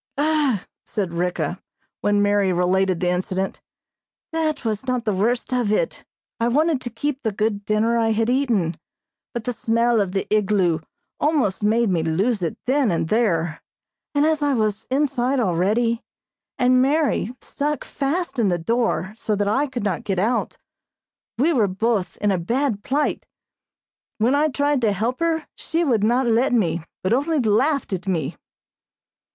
"Ugh!" said Ricka, when Mary related the incident, "that was not the worst of it. I wanted to keep the good dinner I had eaten, but the smell of the igloo almost made me lose it then and there, and as I was inside already, and Mary stuck fast in the door so I could not get out, we were both in a bad plight. When I tried to help her she would not let me, but only laughed at me."